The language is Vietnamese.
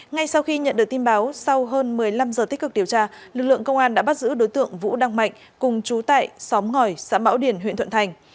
ngay sau khi nhận được tin báo sau hơn một mươi năm giờ tích cực điều tra lực lượng công an đã bắt giữ đối tượng vũ đăng mạnh cùng chú tại xóm ngòi xã mão điền huyện thuận thành